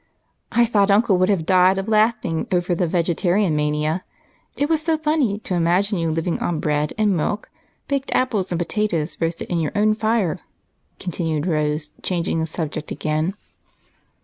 I thought Uncle would have died of laughter over the vegetarian mania it was so funny to imagine you living on bread and milk, baked apples, and potatoes roasted in your own fire," continued Rose, changing the subject again.